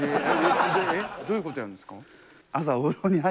えっどういうことやるんですか？